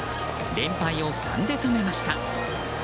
連敗を３で止めました。